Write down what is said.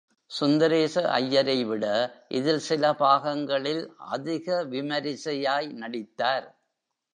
சுந்தரேச ஐயரைவிட, இதில் சில பாகங்களில் அதிக விமரிசையாய் நடித்தார்.